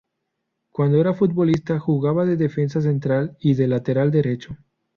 Cuando era futbolista jugaba de defensa central y de lateral derecho.